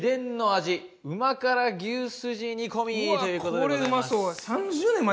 うわ、これうまそう。